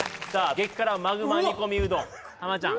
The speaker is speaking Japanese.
激辛マグマ煮込みうどんハマちゃん